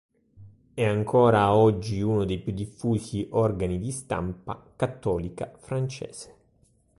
È ancora oggi uno dei più diffusi organi di stampa cattolica francese.